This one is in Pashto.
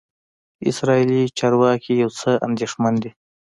اسرائیلي چارواکي یو څه اندېښمن دي.